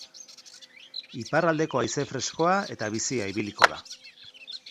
Iparraldeko haize freskoa eta bizia ibiliko da.